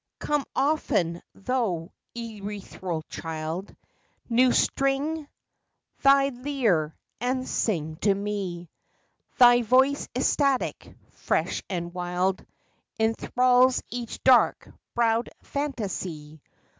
Come often, thou ethereal child ! New string thy lyre and sing to me. Thy voice ecstatic, fresh and wild, Enthralls each dark browed phantasy.